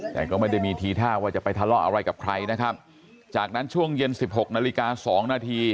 แต่ก็ไม่ได้มีทีท่าว่าจะไปทะเลาะอะไรกับใครนะครับจากนั้นช่วงเย็นสิบหกนาฬิกาสองนาที